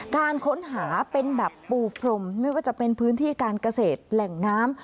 การค้นหาเป็นแบบปูพรมไม่ว่าจะเป็นพื้นที่การเกษตรแหล่งน้ำ